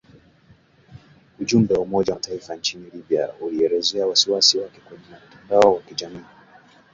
Ujumbe wa Umoja wa Mataifa nchini Libya ulielezea wasiwasi wake kwenye mtandao wa kijamii